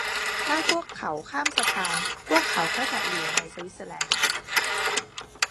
ถ้าพวกเขาข้ามสะพาน พวกเขาก็จะอยู่ในสวิสเซอร์แลนด์